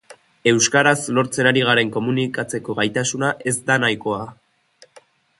Euskaraz lortzen ari garen komunikatzeko gaitasuna ez da nahikoa.